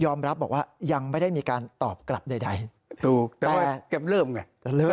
ยอมรับบอกว่ายังไม่ได้มีการตอบกลับใดใดถูกแต่ว่าแกเริ่มไงแต่เริ่ม